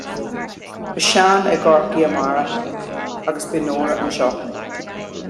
beidh Seán i gCorcaigh amárach, agus beidh Nóra anseo